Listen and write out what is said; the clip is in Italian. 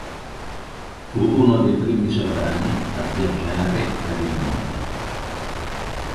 Fu uno dei primi sovrani a viaggiare per il mondo.